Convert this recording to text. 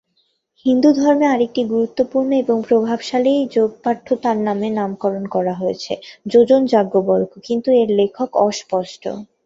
হিন্দু ধর্মে আরেকটি গুরুত্বপূর্ণ এবং প্রভাবশালী যোগ পাঠ্য তার নাম অনুসারে নামকরণ করা হয়েছে, যোজন যাজ্ঞবল্ক্য, কিন্তু এর লেখক অস্পষ্ট।